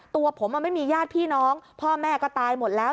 ตัวผมไม่มีญาติพี่น้องพ่อแม่ก็ตายหมดแล้ว